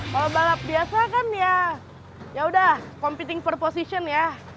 kalau balap biasa kan yaudah competing per position ya